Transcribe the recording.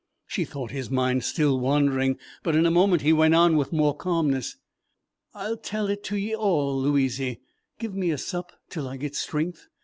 She thought his mind still wandering, but in a moment he went on with more calmness: "I'll tell it to ye all, Louizy. Give me a sup till I get strength.